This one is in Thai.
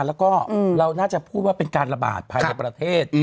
แล้วก็เราน่าจะพูดว่าเป็นการระบาดภายในประเทศ